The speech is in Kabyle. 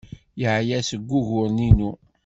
Yeɛya seg wuguren-inu.